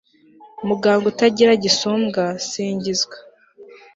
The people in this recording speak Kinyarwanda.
muganga utagira gisumbwa, singizwa